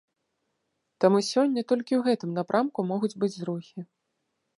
Таму сёння толькі ў гэтым напрамку могуць быць зрухі.